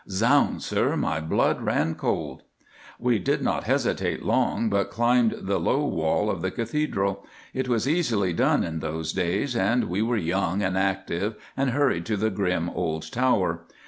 Zounds, sir, my blood ran cold." "We did not hesitate long, but jumped the low wall of the Cathedral. It was easily done in those days, and we were young and active, and hurried to the grim old tower.